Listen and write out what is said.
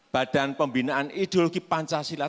badan pembinaan ideologi pancasila